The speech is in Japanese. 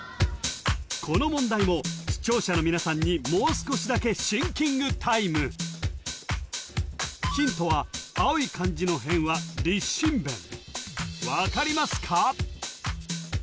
この問題も視聴者の皆さんにもう少しだけシンキングタイムヒントは青い漢字の偏は立心偏分かりますか？